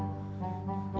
kebunnya omak luas nih